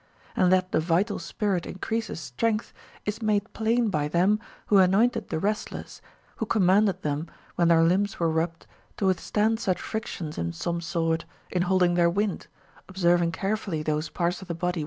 And that the vital spirit in creases strength is made plain by them avIio anointed the wrestlers, who commanded them, when their limbs were rubbed, to withstand such frictions in some sort, in holding their wind, observing carefully those parts of the body 266 RULES FOll THE PRESERVATION OF HEALTH.